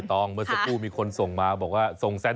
ก็รายได้เข้ามาแบ่งทักกัน